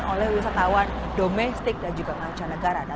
oleh wisatawan domestik dan juga mancanegara